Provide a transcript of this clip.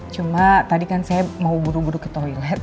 cuma tadi kan saya mau buru buru ke toilet